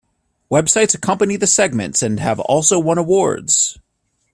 Websites accompany the segments and have also won awards.